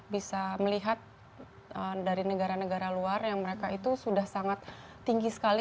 bisa melihat dari negara negara luar yang mereka itu sudah sangat tinggi sekali